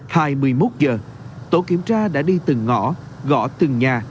hai mươi một giờ tổ kiểm tra đã đi từng ngõ gõ từng nhà